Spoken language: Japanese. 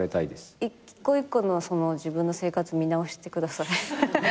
一個一個の自分の生活見直してください。